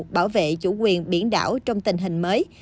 bảo vệ chủ quyền biển đảo trong tình hình mới